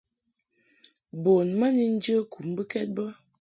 Bun ma ni njə kum mbɨkɛd bə.